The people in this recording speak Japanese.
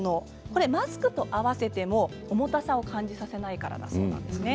これマスクと合わせても重たさを感じさせないからだそうなんですね。